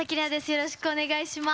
よろしくお願いします。